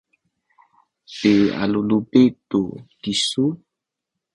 pialulupi tu kisu